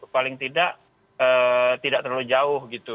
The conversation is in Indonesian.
paling tidak terlalu jauh